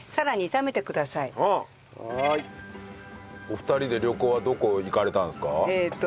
お二人で旅行はどこ行かれたんですか？